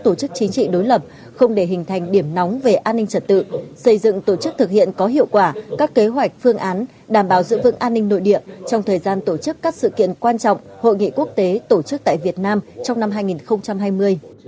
trật tự xây dựng tổ chức thực hiện có hiệu quả các kế hoạch phương án đảm bảo giữ vững an ninh nội địa trong thời gian tổ chức các sự kiện quan trọng hội nghị quốc tế tổ chức tại việt nam trong năm hai nghìn hai mươi